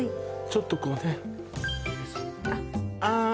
ちょっとこうねああ